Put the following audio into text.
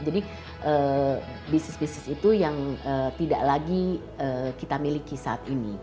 jadi bisnis bisnis itu yang tidak lagi kita miliki saat ini